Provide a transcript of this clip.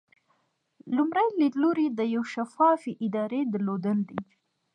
لومړی لیدلوری د یوې شفافې ادارې درلودل دي.